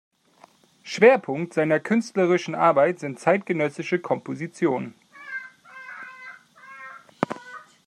Schwerpunkt seiner künstlerischen Arbeit sind zeitgenössische Kompositionen.